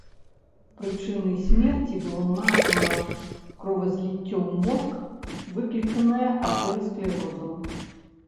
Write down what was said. Прычынай смерці было названа кровазліццё ў мозг, выкліканае атэрасклерозам.